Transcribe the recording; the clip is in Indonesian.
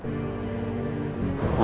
tidak ada apa apa